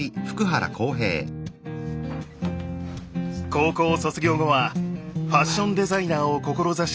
高校卒業後はファッションデザイナーを志した私。